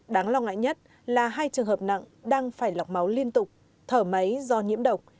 đáng lo ngại nhất là hai trường hợp nặng đang phải lọc máu liên tục thở máy do nhiễm độc